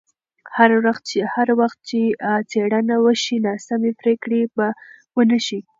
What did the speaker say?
هر وخت چې څېړنه وشي، ناسمې پرېکړې به ونه شي.